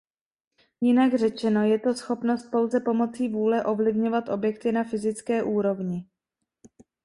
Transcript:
Jinak řečeno je to schopnost pouze pomocí vůle ovlivňovat objekty na fyzické úrovni.